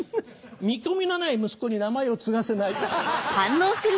見込みのない息子に名前を継がせない。